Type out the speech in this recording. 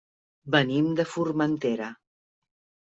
Venim de Formentera.